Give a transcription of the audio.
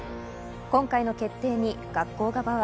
今回の決定に学校側は。